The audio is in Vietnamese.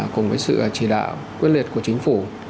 cùng với sự chỉ đạo quyết liệt của chính phủ